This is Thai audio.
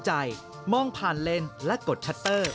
มองผ่านเลนและกดชัตเตอร์